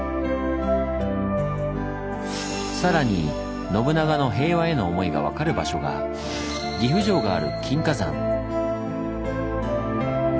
さらに信長の平和への思いが分かる場所が岐阜城がある金華山。